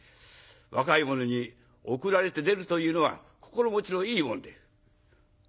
若い者に送られて出るというのは心持ちのいいもので。